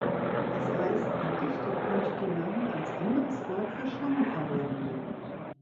Das heißt, ein Dichter konnte die Namen als anderes Wort für Schlange verwenden.